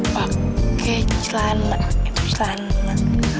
pakai celana itu celana